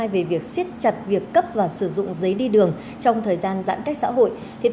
về việc siết chặt việc cấp và sử dụng giấy đi đường trong thời gian giãn cách xã hội